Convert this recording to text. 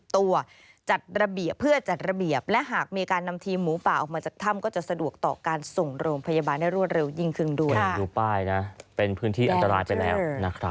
ตัวจัดระเบียบเพื่อจัดระเบียบและหากมีการนำทีมหมูป่าออกมาจากถ้ำก็จะสะดวกต่อการส่งโรงพยาบาลได้รวดเร็วยิ่งขึ้นด้วยดูป้ายนะเป็นพื้นที่อันตรายไปแล้วนะครับ